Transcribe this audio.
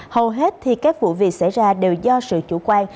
hầu hết thì các vụ việc xảy ra đều do sự chủ quan